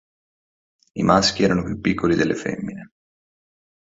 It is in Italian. I maschi erano più piccoli delle femmine.